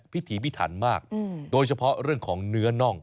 พิถีพิถันมากโดยเฉพาะเรื่องของเนื้อน่อง